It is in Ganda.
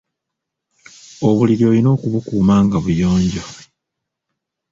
Obuliri olina okubukuuma nga buyonjo.